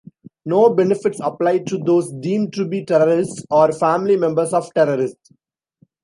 No benefits applied to those deemed to be terrorists or family members of terrorists.